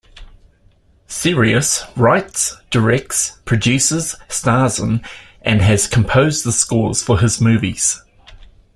Serious writes, directs, produces, stars in, and has composed the scores for his movies.